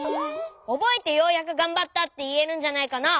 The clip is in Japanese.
おぼえてようやくがんばったっていえるんじゃないかな？